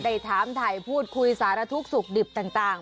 ได้ถามถ่ายพูดคุยสารทุกข์สุขดิบต่าง